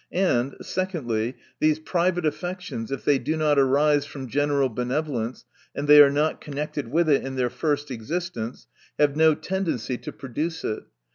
And, Secondly, These private affections, if they do not arise from general bene volence, and they are not connected with it in their first existence, have no ten dency to produce it.